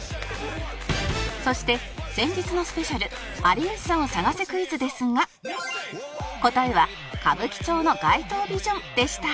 そして先日のスペシャル有吉さんを探せクイズですが答えは歌舞伎町の街頭ビジョンでした